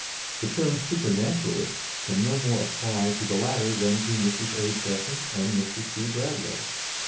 The term 'supernaturalists' can no more apply to the latter than to Mrs. A. Besant and Mr. C. Bradlaugh."